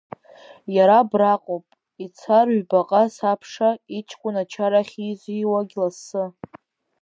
Иара абраҟоуп, ицар ҩбаҟа сабша, иҷкәын ачара ахьизиуагь лассы…